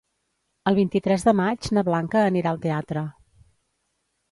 El vint-i-tres de maig na Blanca anirà al teatre.